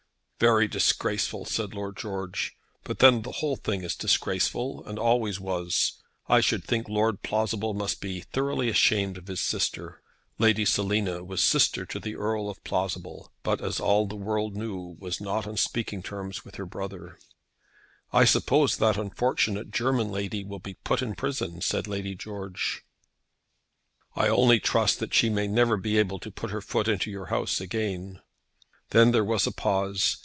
"Very disgraceful!" said Lord George. "But then the whole thing is disgraceful, and always was. I should think Lord Plausible must be thoroughly ashamed of his sister." Lady Selina was sister to the Earl of Plausible, but, as all the world knew, was not on speaking terms with her brother. "I suppose that unfortunate German lady will be put in prison," said Lady George. "I only trust she may never be able to put her foot into your house again." Then there was a pause.